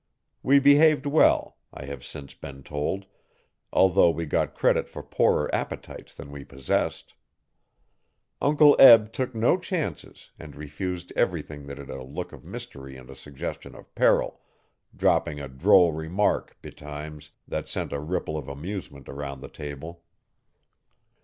We behaved well, I have since been told, although we got credit for poorer appetites than we possessed. Uncle Eb took no chances and refused everything that had a look of mystery and a suggestion of peril, dropping a droll remark, betimes, that sent a ripple of amusement around the table.